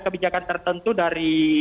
kebijakan tertentu dari